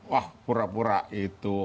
wah pura pura itu